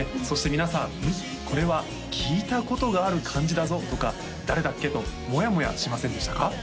そして皆さん「うん？これは聴いたことがある感じだぞ」とか「誰だっけ？」とモヤモヤしませんでしたか？